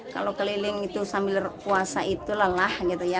kalau keliling itu sambil puasa itu lelah gitu ya